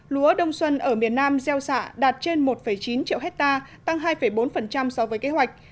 lúa đông xuân ở miền nam gieo xạ đạt trên một chín triệu hectare tăng hai bốn so với kế hoạch